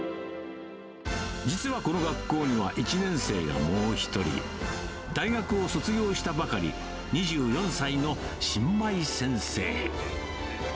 実はこの学校には１年生がもう１人、大学を卒業したばかり、２４歳の新米先生。